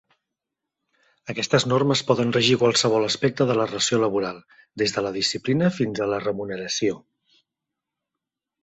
Aquestes normes poden regir qualsevol aspecte de la relació laboral, des de la disciplina fins a la remuneració.